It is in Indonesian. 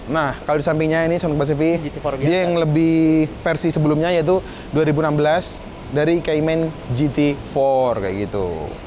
nah kalau di sampingnya ini sont basivi dia yang lebih versi sebelumnya yaitu dua ribu enam belas dari caimin gt empat kayak gitu